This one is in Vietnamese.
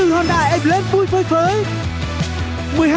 hai mươi bốn honda airplane vui phơi phới